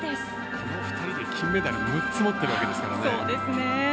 この２人で金メダルを６つ持っているわけですからね。